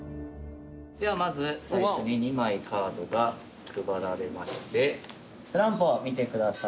ではまず最初に２枚カードが配られましてトランプを見てください。